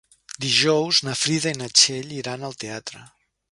Dijous na Frida i na Txell iran al teatre.